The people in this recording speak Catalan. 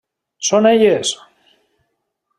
Són elles!